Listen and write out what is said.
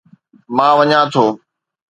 مان وڃان ٿو